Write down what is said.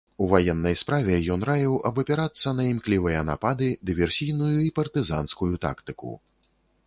У ваеннай справе ён раіў абапірацца на імклівыя напады, дыверсійную і партызанскую тактыку.